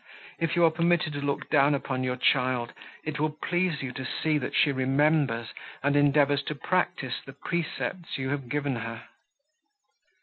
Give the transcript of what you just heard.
if you are permitted to look down upon your child, it will please you to see, that she remembers, and endeavours to practise, the precepts you have given her."